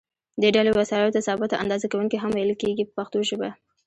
دې ډلې وسایلو ته ثابته اندازه کوونکي هم ویل کېږي په پښتو ژبه.